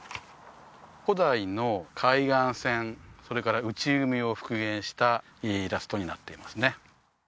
古代の海岸線それから内海を復元したイラストになっていますね